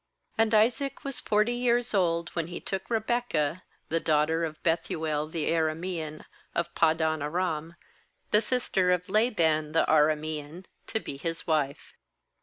20And Isaac was forty years old when he took Rebekah, the daugh ter of Bethuel the Aramean, of Pad dan aram, the sister of Laban the Aramean, to be his wife.